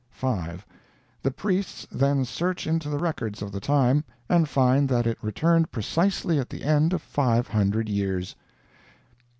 "5. The priests then search into the records of the time, and find that it returned precisely at the end of five hundred years."